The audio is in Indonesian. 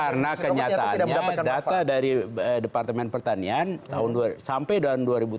karena kenyataannya data dari departemen pertanian sampai tahun dua ribu tiga belas